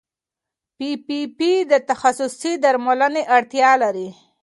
پي پي پي د تخصصي درملنې اړتیا لري.